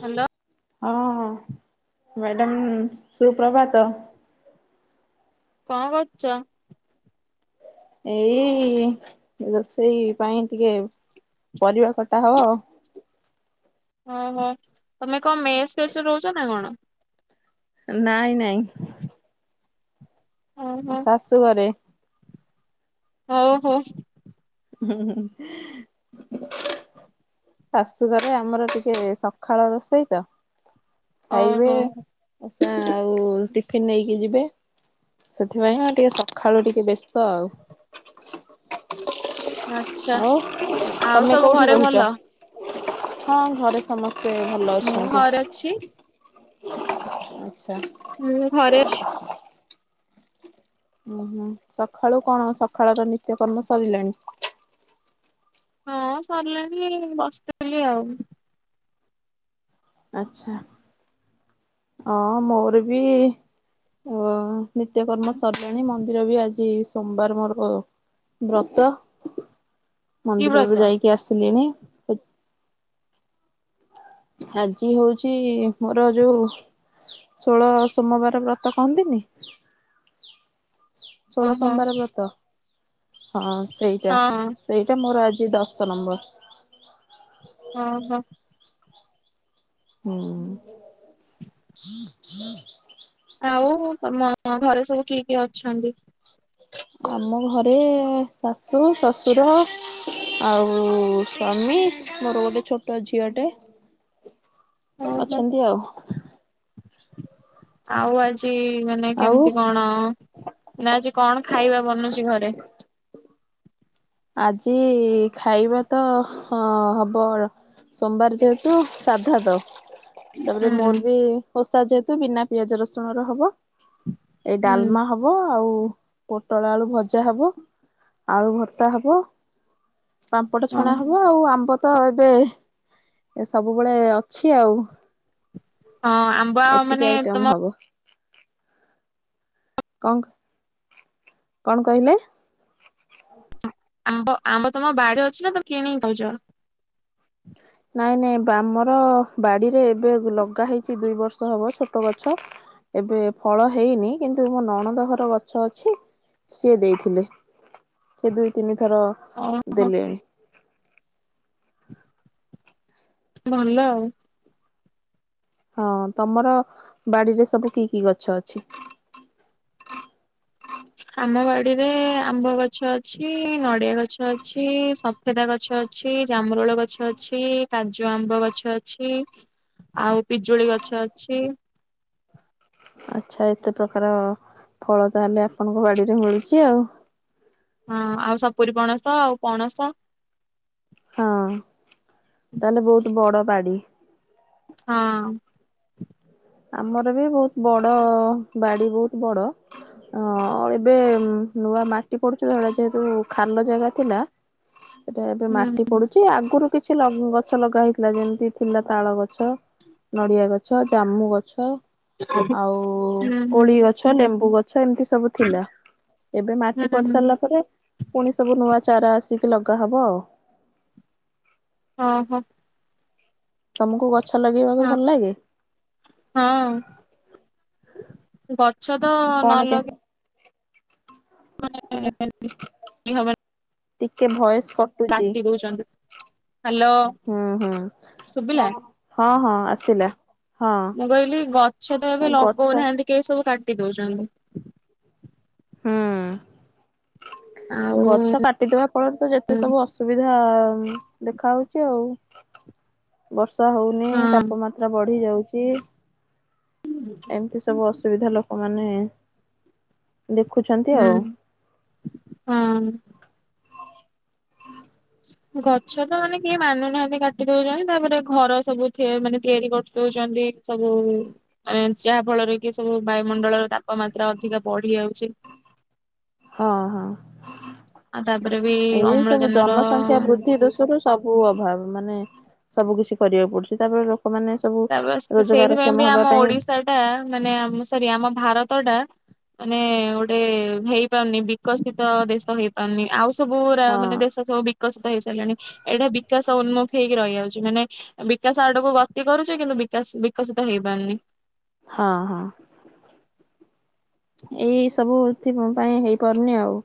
Hello ଅହଂ madam ସୁପ୍ରଭାତ। ତ କଁ କରୁଚ? ଏଇ ରୋଷେଇ ପାଇଁ ଟିକେ ପରିବା କଟା ହବ। ଓହୋ ତମେ କଣ ମେସ୍ ଫେସରେ ରହୁଛ ନା କଣ? ନାଇଁ ନାଇଁ। ଓହୋ ମୋ ଶାଶୁ ଘରେ। ହଉ ହୋ ଶାଶୁଘରେ ଆମର ଟିକେ ସକାଳ ରୋଷେଇ ତ ଖାଇବେ ଓହୋ ଆଉ ଟିଫିନ ନେଇକି ଯିବେ ସେଥିପାଇଁ ହ ଟିକେ ସକାଳୁ ଟିକେ ବ୍ୟସ୍ତ ଆଉ। ଆଚ୍ଛା ହଉ ଆଉ ତମେ ସବୁ କୋଉଠି ଘରେ ଭଲ? ରହୁଛ? ହଁ ଘରେ ସମସ୍ତେ ଭଲ ମୁଁ ଅଛନ୍ତି। ଘର ଅଛି ହୁଁ ମୁଁ ଘରେ ଅଛି ଓହୋ ସକାଳୁ କଣ ସକାଳ ର ନିତ୍ୟକର୍ମ ସରିଲାଣି ହଁ ସରିଲାଣି ବସିି ଆଉ ଆଛା ହ ମୋର ବି ଅ ନିତ୍ୟକର୍ମ ସରିଲାଣି ମନ୍ଦିର ବି ଆଜି ସୋମବାର ମୋର ବ୍ରତ କି ବ୍ରତ? ମନ୍ଦିରରୁୁ ଯାଇକି ଆସିଲିଣି। [unintelligible] ଆଜି ହଉଚି ମୋର ଯୋଉ ଷୋଳ ସୋମବାର ବ୍ରତ କହନ୍ତିନି ଷୋଳ ଓହୋ ସୋମବାର ବ୍ରତ ହଁ। ସେଇଟା ହଁ ସେଇଟା ମୋର ଆଜି ଦଶ ନମ୍ବର। ଅ ହୋ। ହୁଁ। ଆଉ ତମ ଘରେ ସବୁ କିଏ କିଏ ଅଛନ୍ତି? ଆମ ଘରେ ଶାଶୁ, ଶଶୁର, ଆଉ ସ୍ଵାମୀ, ମୋର ଗୋଟେ ଛୋଟ ଝିଅଟେ ଓହୋ ଅଛନ୍ତି ଆଉ। ଆଉ ଆଜି ମାନେ ଆଉ କେମିତି କଣ ନା ଆଜି କଣ ଖାଇବା ବନୁଛି ଘରେ? ଆଜି ଖାଇବା ତ ହଁ ହବ ସୋମବାର ଯେହେତୁ ସାଧା ତ ତାପରେ ହୁଁ ମୋର ବି ଓ ଶା ଯେହେତୁ ବିନା ପିଆଜ ରସୁଣ ର ହବ। ଏଇ ହୁଁ ଡାଲମା ହବ ଆଉ ପୋଟଳ ଆଳୁ ଭଜା ହବ, ଆଳୁ ଭତ୍ ର୍ତା ହବ ପାମ୍ପଟ ଛଣା ଓହୋ ହବ, ଆଉ ଆମ୍ବ ତ ଏବେ ସବୁବେଳେ ଅଛି ଆଉ। ହଁ ଆମ୍ବ ଏତିକି ମାନେ ଆଇଟମ ତୁମ ହବ କଙ୍କ କଣ କହିଲେ? ଆମ୍ବ ଆମ୍ବ ତମ ବାଡିରେ ଅଛି ନା ତମ କିଣିକି କଉଛ। ନାଇଁ ନାଇଁ ଆମର ବାଡିରେ ଏବେ ଲଗା ହେଇଛି ଦୁଇ ବର୍ଷ ହବ ଛୋଟ ଗଛ ଏବେ ଫଳ ହେଇନି କିନ୍ତୁ ମୋ ନଣଦହର ଗଛ ଅଛି ସିଏ ଦେଇଥିଲେ। ସେ ଦୁଇ ତିନି ଥର ଓହୋ ଦେଲେଣି। ଭଲ ଆଉ। ହଁ ତମର ବାଡିରେ ସବୁ କି କି ଗଛ ଅଛି? ଆମ ବା ଡିରେ ଆମ୍ବ ଗଛ ଅଛି, ନଡିଆ ଗଛ ଅଛି, ସଫେଦା ଗଛ ଅଛି, ଜାମରୋଳ ଗଛ ଅଛି, କାଜୁ ଆମ୍ବ ଗଛ ଅଛି, ଆଉ ପିଜୁଳି ଗଛ ଅଛି। ଆଚ୍ଛା ଏତେ ପ୍ରକାର ଫଳ ତାହେଲେ ଆପଣଙ୍କ ବାଡିରେ ମିଳୁଛି ଆଉ। ହଁ ଆଉ ସପୁରିୀ ପଣ ତ ଆଉ ପଣସ। ହଁ ତାହେଲେ ବହୁତ ବଡ ବାଡ଼ିି ହଁ। ଆମର ବି ବହୁତ ବଡ ବାଡି ବହୁତ ବଡ ଅ ଏବେ ନୂଆ ମାଟି ପଡୁଛି ତ ଯେହେତୁ ଖାଲ ଜାଗା ଥିଲା। ଏଟା ଏବେ ହୁଁ ମାଟି ପଡୁଛି ଆଗରୁ କିଛି ଲ ଗଛ ଲଗା ହେଇଥିଲା ଯେମିତି ଥିଲା ତାଳ ଗଛ ନଡିଆ ଗଛ ଜାମୁ ଗଛ ଛ ଆଉ ହୁଁ ହୁଁ କୋଳି ଗଛ ଲେମ୍ବୁ ଗଛ ଗଛ ଏମିତି ସବୁ ଥିଲା ଏବେ ମାଟି ହୁଁ ପଡି ହୁଁ ସାରିଲା ପରେ ପୁଣି ସବୁ ନୂଆ ଚାରା ଆସିକି ଲଗା ହବ ଆଉ। ହ ହୋ ତମକୁ ଗଛ ଲଗେଇବାକୁ ଭଲ ଲାଗେ ଗ ଛଦ କଣ ନ କେ ଲକ [unintelligible] ଟିକେ ଭୟସ କଟୁଛି କାଟି ଦଉଛନ୍ତି। ହ୍ୟାଲୋ ହୁଁ ହୁଁ ଶୁଭିଲା? ହଁ ହଁ ଆସିଲା। ହଁ ମୁଁ କହିଲି ଗଛ ତ ଏବେ ଗଛ ଲଗଉନାହାନ୍ତି କେହି ସବୁ କାଟ ଦଉ ଜନ୍ତି ହଁ। ଆଉ ଗଛ କାଟିଦବା ଫଳରେ ତ ଯେତେ ହଁ ସବୁ ଅସୁବିଧା ଦେଖା ହଉଛି ଆଉ। ବର୍ଷ ଶଷ ହଉନି ତାପମାତ୍ରା ବଢି ଯାଉଛି। ଏମତି ସବୁ ଅସୁବିଧା ଲୋକ ମାନେ ଦେଖୁଛନ୍ତି ଆଉ। ହୁଁ ହଁ ଗଛ ତ ମାନେ କିଏ ମାନୁନାହାନ୍ତି କାଟି ଦଉଛନ୍ତି ତାପରେ ଘର ସବୁ ମାନେ ତିଆରି କରି ଦଉଛନ୍ତି ସବୁ ମ ଯାହା ଫଳରେ କି ସବୁ ବାୟୁମଣ୍ଡଳର ତାପମାତ୍ରା ଅଧିକା ବଢି ଯାଉଛି। ହଁ ଆଉ ହଁ। ତାପରେ ବି ଏଇ ସବୁ ଜନସଂଖ୍ୟା ଅମ୍ଳଜାନର ବୃଦ୍ଧି ଦଶର ସବୁ ଅଭାବ ମାନେ ସବୁ କିିଛି କରିବାକୁ ପଡୁଛି ତାପରେ। ଲୋକମାନେ ସବୁ ତାପ ରୋଜଗାର ସେଇଥିପାଇଁ କ୍ଷମ ବି ହବା ଆମ ପାଇଁ ଓଡିଶା ଟା ମାନେ ସରି ଆମ ଭାରତ ଟା ମାନେ ଗୋଟେ ହେଇପାରୁନି ବିକଶିତ ଦେଶ ହେଇପାରୁନି ଆଉ। ସବୁ ଉରା ହଁ ମାନେ ଦେଶ ସବୁ ବି ବିକଶିତ ହେଇସାରିଲାଣି ଏଇଟା ବିକାଶ ଉନ୍ମୁଖ ହେଇକି ରହିଯାଉଛି ମାନେ ବିକାଶ ଆଡକୁ ଗ ତି କରୁଛି କିନ୍ତୁ ବିକାଶ ବିକଶିତ ହେଇପାରୁନି। ହଁ ହଁ। ଏଇ ସବୁ ଏଥି ପାଇଁ ହେଇପାରୁନି ଆଉ।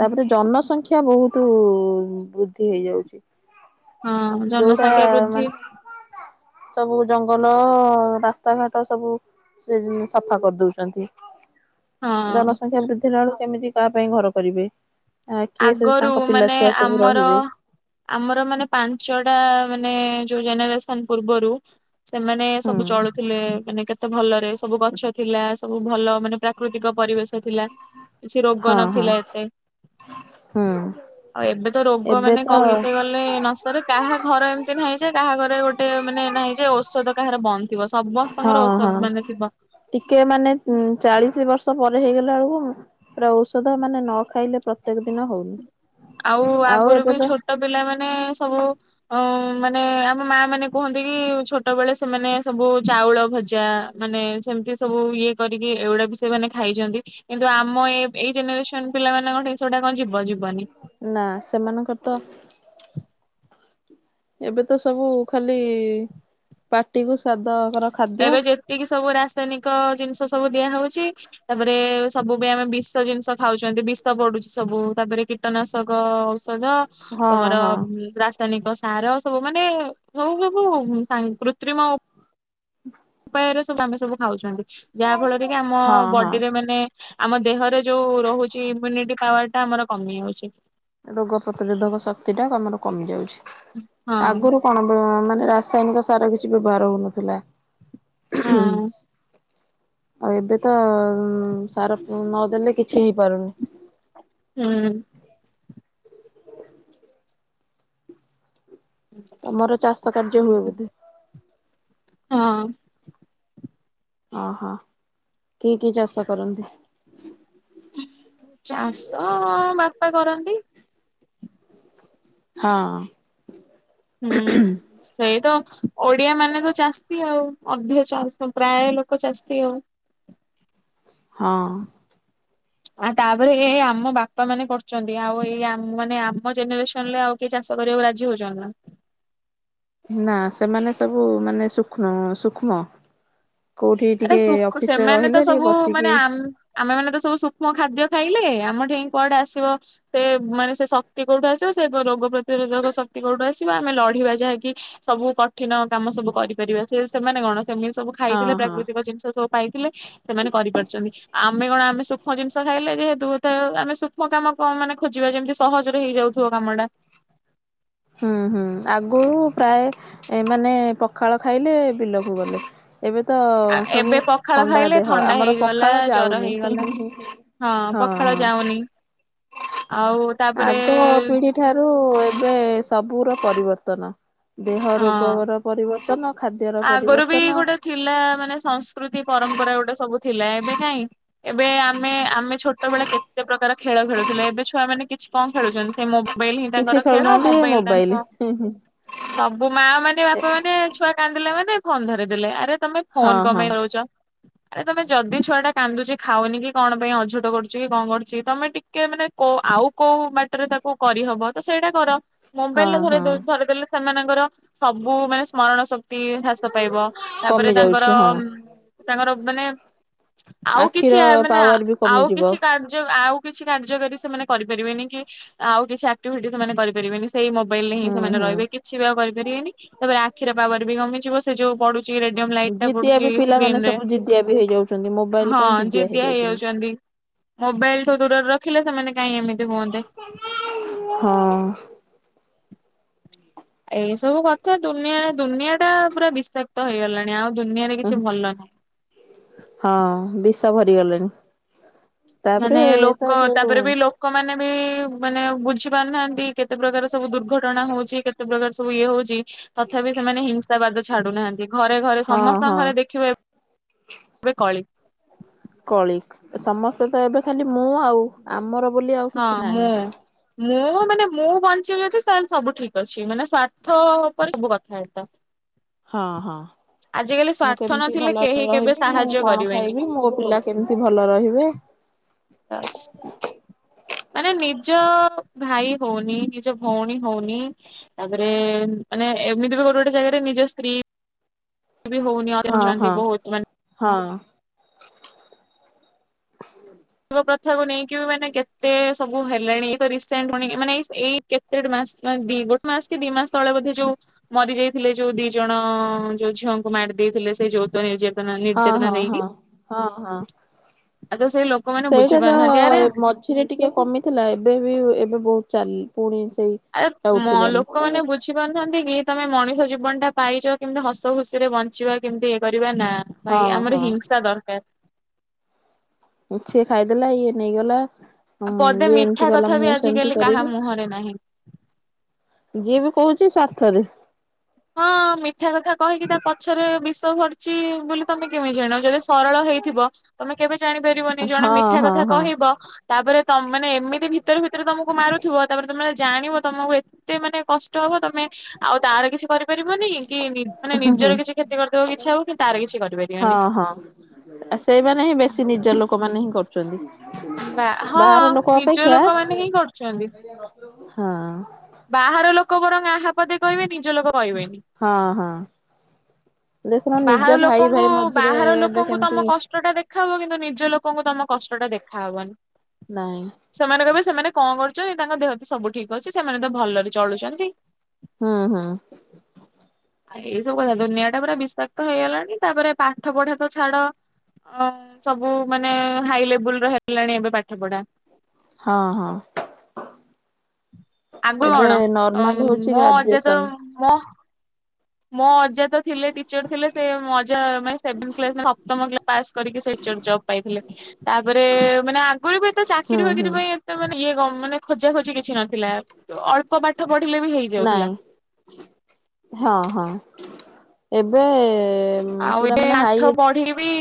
ତାପରେ ଜନସଂଖ୍ୟା। ଶିକ୍ଷା ବହୁତ ବୃଦ୍ଧି ହୋଇଯାଉଛି। ହଁ ଯୋଉଟା ଜନସଂଖ୍ୟା ବୃଦ୍ଧି ମାନେ ସବୁ ଜଙ୍ଗଲ ରାସ୍ତା ଘାଟ ସବୁ ସେ ସଫା କରିଦୋଉଛନ୍ତି। ହଁ ଜନସଂଖ୍ୟା ବୃଦ୍ଧିରା ବେଳକୁ କେମିତି ତା ପାଇଁ ଘର। କରିବେ। ଆ କିଏ ସେ ଆଗରୁ ତାଙ୍କ ପିଲା ମାନେ ଛୁଆ ସବୁ ଆମର ରହିବେ ଆମର ମାନେ ପାଞ୍ଚଟା ମାନେ। ମାନେ ଯୋଉ ଜେନେରେସନ ପୂର୍ବରୁ। ସେମାନେ ହୁଁ ସବୁ ଚଳୁଥିଲେ ମାନେ କେତେ ଭଲରେ ସବୁ ଗଛ ଥିଲା ସବୁ ଭଲ ମାନେ ପ୍ରାକୃତିକ ପରିବେଶ ଥିଲା। କିଛି ରୋଗ ହଁ ହଁ ନଥିଲା ଏତେ। ହୁଁ ଆଉ ଏବେ ତ ରୋଗ ଏବେ ମାନେ ତ କହିତେ ଗଲେ ନ ସରେ କାହା ଘର ଏମିତି ନାହିଁଯେ କାହା କାହାଘରେ ଗୋଟେ ମାନେ ନାହିଁ ଯେ ଔଷଧ କାହାର ବନ୍ଦ। ଥିବ ହଁ ସମସ୍ତଙ୍କର ଔଷଧ ହଁ ମାନେ ଥିବ। ଟିକେ ମାନେ ଚାଳିଶ ବର୍ଷ। ପ ହେଇଗଲା ବେଳକୁ ପୁରା ଔଷଧ ମାନେ ନ ଖାଇଲେ ପ୍ରତ୍ୟେକ ଦିନ ହଉନି। ଆଉ ଆଗରୁ ଏବେ ବି ତ ଛୋଟ ପିଲାମାନୋନ ସବୁ ଉଁ। ମାନେ ଆମ ମା ମାନେ କୁହନ୍ତି କି ଛୋଟ ବେଳେ ସେମାନେ ସବୁ ଚାଉଳ ଭଜା ମାନେ ସେମିତି ସବୁ ଇଏ କରିକି ଏଗୁଡା ବି ସେମାନେ ଖାଇଛନ୍ତି କିନ୍ତୁ ଆମ ଏ ଏଇ ଜେନେରେସନ ପିଲାମାନଙ୍କ ଠିକ ସେଗୁଡା କଣ ଯିବ ଯବନି। ନା ସେମାନଙ୍କର ତ। ଏବେ ତ ସବୁ ଖାଲି ପାଟି କୁ ସ୍ୱାଦ ଏବେ ଯେତିକି ସବୁ ରାସାୟନିକ ଜିନିଷ ସବୁ ଦିଆ ହୋଉଛି। ତାପରେ ସବୁବେ ଆମେ ବିଷ ଜିନିଷ ଖାଉଛନ୍ତି ବିଷ ପଡୁଛି ସବୁ ତାପରେ କୀଟନାଶକ। ଓ ଔଷଧ ହଁ ତମର ହଁ ରାସାୟନିକ। ତାର ସବୁ ମାନେ ସବୁ ସବୁ ସା କୃତ୍ରିମ। ଉପାୟରେ [unintelligible] ଆମେ ସବୁ ଖାଉଛନ୍ତି। ଯାହା ଫଳରେ କି ଆମ ହଁ ହଁ ବଡିରେ ମାନେ ଆମ ଦେହରେ ଯୋଉ। ରହୁଛି ଇମ୍ୟୁନିଟି ପାୱାର ଟା ଆମର କମି ଯାଉଛି। ରୋଗ ପ୍ରତିରୋଧକ ଶକ୍ତି ଟା ଆମର କମି ଯାଉଛି। ହଁ ଆଗରୁ କଣ ବ ମାନେ ରାସାୟନିକ ସାର କିଛି ବ୍ୟବହାର ହଉନଥିଲା। ଉଁ ହୁଁ। ହଁ। ଆଉ ଏବେ ତ ସାର ନଦେଲେ କିଛି ହେଇପାରୁନି। ହୁଁ। ତମର ଚାଷ କାର୍ଯ୍ୟ ହୁଁ ହୁଏ ବୋଧେ। ହଁ। ଓ ହୋ କି କି ଚାଷା କରନ୍ତି? ଚାଷ ବାପା କରନ୍ତି। ହଁ। ହୁଁ ସେଇ ତ ଓଡିଆ ମାନେ ତ ଚାଷୀ ଆଉ। ଅଧିକ ଚାଷମ୍ ପ୍ରାୟ ଲୋକ ଚାଷି ଆଉ। ହଁ। ଆଉ ତାପରେ ଏଇ ଆମ ବାପା ମାନେ କରୁଛନ୍ତି, ଆଉ ଏଇ ମାନେ ଆମ ଜେନେରେସନ ରେ ଆଉ କି ଚାଷ କରିବାକୁ ରାଜି ହଉଛନ୍ତି ନା। ନା ସେମାନେ ସବୁ ମାନେ ସୂକ୍ଷ୍ମ ସୂକ୍ଷ୍ମ। କୋଉଠି ଆରେ ଟିକେ ଅଫିସ ରେ ସେମାନେ ତ ରହିଲେ ଟିକେ ସବୁ ମାନେ ବସିକି ଆମେ ମାନେ ତ ସବୁ ସୂକ୍ଷ୍ମ ଖାଦ୍ୟ ଖାଇଲେ ଆମଠେଇ କୁଆଡେ ଆସିବ ସେ ମାନେ ସେ ଶକ୍ତି କୋଉଠୁ ଆସିବ ସେ ରୋଗ ପ୍ରତିରୋଧକ ଶକ୍ତି କୋଉଠୁ ଆସିବ, ଆମେ ଲଢିବା ଯାହାକି ସବୁ କଠିନ କାମ ସବୁ କରିପାରିବା ସେ ସେମାନେ କଣ ସେମିତି ସବୁ ହଁ ଖାଇଥିଲେ ହଁ [unintelligible] ଥିଲେ ସେମାନେ କରିପାରୁଛନ୍ତି। ଆମେ କଣ ଆମେ ସୁକ୍ଷ୍ମ ଜିନିଷ ଖାଇଲେ ଯେହେତୁଥାଏ ଆମେ ସୁଷ୍ମ କାମ କଣ ମାନେ ଖୋଜିବା ଯେମିତି ସହଜରେ ହେଇଯାଉଥିବ କାମଟା। ହୁଁ ହୁଁ ଆଗୁ ପ୍ରାୟ ଏ ମାନେ ପଖାଳ ଖାଇଲେ ବିଲକୁ ଗଲେ। ଏବେ ତ ଆ ଏବେ ସବୁ ପଖାଳ ଥଣ୍ଡା ଖାଇଲେ ଦେହ ଥଣ୍ଡା ଆମର ହେଇଗଲା ପଖାଳ ଜର ଯାଉନି ହେଇଗଲା ହିହିହିହି ହଁ ପଖାଳ ହଁ। ଯାଉନି ଆଉ ଆଗ ତାପରେ ପିଢି ଠାରୁ ଏବେ ସବୁ ର ପରିବର୍ତ୍ତନ ଦେହ ହଁ ରୋଗର ପରିବର୍ତ୍ତନ ଖାଦ୍ୟର ଆଗରୁ ବି ପରିବର୍ତ୍ତନ। ଗୋଟେ ଥିଲା ମାନେ ସଂସ୍କୃତି ପରମ୍ପରା ଗୋଟେ ସବୁ। ଥିଲା ଏବେ କାହିଁ ଏବେ ଆମେ ଆମେ ଛୋଟବେଳେ କେତେ ପ୍ରକାର ଖେଳ ଖେଳୁଥିଲେ ଏବେ ଛୁଆ ମାନେ କିଛି କଣ ଖେଳୁଛନ୍ତି ସେ ମୋ ମୋବାଇଲ ହିଁ କିଛି ତାଙ୍କର ଖେଳ ଖେଳୁନାହାନ୍ତି ମୋବାଇଲ ତାଙ୍କ ସବୁ ମା ମାନେ ବାପା ମାନେ ଛୁଆ ମାନେ ଫୋନ୍ ଧରେଇଦେଲେ ଆରେ ତମେ ଫୋନ ହଁ କଣ ହଁ ପାଇଁ ଦଉଛ। ଆରେ ତମେ ଯଦି ଛୁଆ ଟା କାନ୍ଦୁଚି ଖାଉନି କି କଣ ପାଇଁ ଅଝଟ କରୁଛି କି କଣ କରୁଛି ତମେ ଟିକେ ମାନେ କୋ ଆଉ କୋଉ ବାଟରେ ତାକୁ କରିହବ ତ ସେଇଟା କର। ହଁ ମୋବାଇଲରେ ଧରେଇ ହଁ। ଦେଲେ ଧରି ଦେଲେ ସେମାନ ସବୁ ମାନେ ସ୍ମରଣ ଶତି ତି ହ୍ରାସ ପାଇବ ତାପରେ କମି ତାଙ୍କର ଯାଉଛି ହଁ ତାଙ୍କର ମାନେ ଆଉ କିଛି ଆଖିର ମାନେ ପାୱାର ବି ଆଉ କମିଯିବ କିଛି କାର୍ଯ୍ୟ ଆଉ କିଛି କାର୍ଯ୍ୟ କରି ସେମାନେ କରିପାରିବେନି, କି ଆଉ କିଛି ଆକ୍ଟିଭିଟି ସେମାନେ କରିପାରିବେନି। ସେଇ ମୋବାଇଲ ରେ ହିଁ ହୁଁ ସେମାନେ ହୁଁ। ରହିବେ କିଛି ବି ଆଉ କରିପାରିବେନି ତାପରେ ଖୀର ବା ବି କମିଯିବ ସେ ଯୋଉ ବୁ ରେଡିୟମ ଲାଇଟ୍ ଟା ଜିଦିଆ ପଡୁଛି ବି ପିଲାମାନେ ସ୍କିନ ରେ ସବୁ ଜିଦିଆ ବି ହେଇଯାଉଛନ୍ତି ମୋବାଇଲ ହଁ ପାଇଁ ଜିଦିଆ ହେଇ ହେଇଯାଉଛନ୍ତି ଯାଉଛନ୍ତି ମୋବାଇଲ୍ ଠୁ ଦୂରରେ ଥିଲେ ସେମାନେ କାହିଁ ଏମେ ହଁ। ଏଇ ସବୁ କଥା ଦୁନିଆ ଦୁନିଆ ଟା ପୁରା ବିଷାକ୍ତ ହେଇଗଲାଣି ଆଉ। ଦୁନିଆରେ ହ କିଛି ଭଲ ନାହିଁ। ହଁ ବ। ସ ଭରି ଗଲେଣି ମାନେ ଲୋକ ତାପରେ ବି ଲୋକମାନେ ବି ମାନେ ବୁଝି ପାରୁନାହାନ୍ତି। କେତେ ପ୍ରକାର ସବୁ ଦୁର୍ଘଟଣା ହଉଛି କେତେ ପ୍ରକାର ଇଏ ହଉଛି। ତଥାପି ସେମାନେ ହିଂସାବାଦ ଛାଡୁନାହାନ୍ତି। ଘରେ ଘରେ ହଁ ସମସ୍ତଙ୍କ ହଁ। ଘରେ ଦେଖିବ ଏବେ କଳି କଳିିକ ସମସ୍ତେ ତ ଏବେ ଖାଲି ମୁଁ ଆଉ ଆମର ବୋଲି ଆଉ ହଁ କିଛି ନାହିଁ। ମୁଁ ମୁଁ ମାନେ ମୁଁ ବଞ୍ଚିବି ଯଦି ସ ସବୁ ଠିକ ଅଛି ମାନେ ସ୍ଵାର୍ଥ ଉପରେ ସବୁ କଥା ହେତା ହଁ ହଁ ମୁଁ ସ୍ଵାର୍ଥ କେମିତି ନଥିଲେ ଭଲ କେହି କେବେ ରହିବି ମୁଁ ସାହାଯ୍ୟ କଣ କରିବେନି ଖାଇବି ମୋ ପିଲା କେମିତି ଭଲ ରହିବେ? ବାସ୍। ମାନେ ନିଜ ଭାଇ ହଉନି ନିଜ ଭଉଣୀ ହଉନି ତାପରେ ମାନେ ଏମିତି ବି ଗୋଟେ ଗୋଟେ ଜାଗାରେ ନିଜ ସ୍ତ୍ରୀ ବି ହଉନିଆ ହଁ ଖର୍ଚ୍ଚାନ୍ତି ହଁ ବହୁତ ମ ହଁ। [inaudible] ଲିଙ୍ଗ ପ୍ରଥାକୁ ନେଇକି ମାନେ କେତେ ସବୁ ହେଲାଣି ରିସେଣ୍ଟଣି ମାନେ ଏଇ କେତେ ମାସ ଦି ଗୋଟେ ମାସ କି ଦି ମାସ ତଳେ ବୋେ ଯୋଉ ମରି ଯାଇଥିଲେ ଯୋଉ ଦି ଜଣ ଯୋଉ ଝିଅଙ୍କୁ ମାର ଦେଇଥିଲେ ସେଇ ଯୋଉତ ନିଜ ହଁ ହଁ ହଁ ହଁ ହଁ। ଆ ସେ ସେଇଟା ତ ମଝିରେ ଟିକେ କମିଥିଲା ଏବେ ବି ଏବେ ବହୁତ ଚାଲଲି ପୁଣି ସେଇ ଆରେ ଟା ଉଠିଲାଣି ଏ ଲୋକମାନୋନ ବୁଝିପାରୁଥାହାନ୍ତି କି? ତମେ ମଣିଷ ଜୀବନ ଟା ପାଇଚ କେମିତି ହସ ଖୁସି ରେ ବଞ୍ଚିବା କେମିତି ଇଏ କରିବା ନା ଭାଇ ହଁ ଆମର ହଁ। ହିଂସା ଦରକାର ସିଏ ଖାଇଦେଲା ଇଏ ନେଇଗଲା। ହୁଁ ଆଉ ପଦେ ଇଏ ମିଠା ଏମିତି କଲା କଥା ବି ମୁଁ ସେମିତି ଆଜିକାଲି କାହା କରିବି ମୁହଁରେ ନାହିଁ। ଯିଏ ବି କହୁଛି ସ୍ଵା ଥରେ ହଁ ମିଠା କଥା କହିକି ତା ପଛରେ ବିଷ ଘରଚି। ମୁଁ କହିଲି ତମେ କେମତି ଜାଣିବ ଯ ସରଳ ହେଇଥିବ ତମେ କେ ଜାଣି ପାରିବନି ହଁ ଜଣେ ମିଠା ହଁ କଥା ହଁ କହିବ ତାପରେ ତମ ମାନେ ଏମିତି ଭିତରେ ଭିତରେ ତମକୁ ମାରୁଥିବ ତାପରେ ତମେ ଜାଣିବ ତମକୁ ଏତେ ମାନେ କଷ୍ଟ ହବ ତମେ ଆଉ ତାର କିଛି କରିପାରିବନି କି ମାନେ ନି ନିଜର କିଛି କ୍ଷତି କରିଦବାକୁ ଇଚ୍ଛା ହବ କିନ୍ତୁ ତାର କିଛି କରିପାରିବନି। ହଁ ହଁ। ଚନ୍ତି। ବା ହଁ ନିଜ ଲୋକମାନେ ହିଁ କରୁଛନ୍ତି। ହଁ। ବାହାର ଲୋକ ବରଂ ଆହା ପଦେ କହିବେ। ନିଜ ଲୋକ କହିବେନି ହଁ ହଁ ଦେଖୁନ ବାହାର ନିଜ ଭାଇ ଲୋକଙ୍କୁ ଭାଇ ମଝିରେ ବାହାର ଏବେ ଲୋକଙ୍କୁ କେମିତି ତମ କଷ୍ଟ ଟା ଦେଖାହବ କିନ୍ତୁ ନିଜ ଲୋକଙ୍କୁ ତମ କଷ୍ଟ ଟା ଦେଖାହବନି ନାଇଁ ସେମାନେ କହିବେ ସେମାନେ କଣ କର ତାଙ୍କ ଦେହ ତ ସବୁ ଠିକ ଅଛି ସ ସେମାନେ ତ ଭଲରେ ଚଳୁଛନ୍ତି। ହୁଁ ହୁଁ। ଆ ଏଇ ସବୁ କଥା ଦୁନିଆ ଟା ପୁରା ବିଷାକ୍ତ ହେଇଗଲାଣି ତାପରେ ପାଠ ପଢା ତ ଛାଡ ଅ ସବୁ ମାନେ ହାଇ ଲେବୁଲ ର ହେଲାଣି ଏବେ ପାଠ ପଢା। ହଁ ହଁ। ଆଗରୁ ଏବେ କଣ ନର୍ମାଲ ଅମ ହଉଛି ମୋ ଅଜା ତ ଗ୍ରାଜୁଏସନ ମୋ ମୋ ଅ ଅଜା ତ ଥିଲେ ଟିଚର୍ ଥିଲେ ସେ ମଜା ମାନେ ସେଭେନ୍ଥ କ୍ଲାସ ମାନେ ସପ୍ତମ କ୍ଲାସ ପାସ କରିକି ସେ ଟିଚର ଜବ ପାଇଥିଲେ। ତାପରେ ମାନେ ଆ ମୋର ବି ଏତେ ହୁଁ ଚାକିରି ବାକିରି ହୁଁ ପାଇଁ ଏତେ ମାନେ ଇଏ କମ। ମାନେ। ଖୋଜା ଖୋଜି କିଛି ନଥିଲା ଅଳ୍ପ ପାଠ ପଢିଲେ ବି ନାଇଁ ହେଇଯାଉଥିଲା। ହଁ ହଁ ଏବେ ଆଉ ପୁରା ଏବେ ମାନେ ହାଇ ଆଠ ପଢି ବି